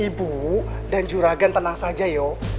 ibu dan juragan tenang saja yuk